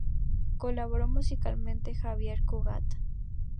Colaboró musicalmente Xavier Cugat.